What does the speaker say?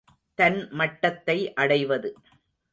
தன் மட்டத்தை அடைவது.